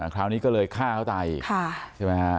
คราวนี้ก็เลยฆ่าเขาตายอีก